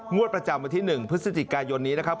งวดประจำวันที่๑พฤศจิกายนนี้นะครับ